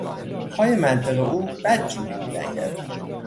پای منطق او بد جوری میلنگد.